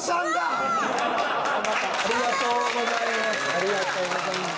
ありがとうございます。